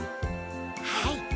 はい。